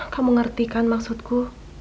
kamu ngerti kan maksudku